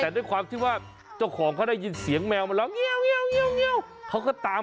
แต่ด้วยความที่ว่าเจ้าของเค้าได้ยินเสียงแมวมันแล้ว